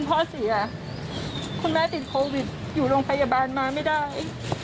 พ่อเสียคุณแม่ติดโควิดอยู่โรงพยาบาลมาไม่ได้